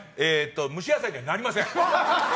蒸し野菜にはなりません。